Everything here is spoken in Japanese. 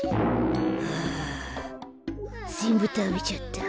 あぜんぶたべちゃった。